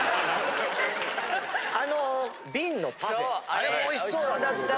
あれおいしそうだった。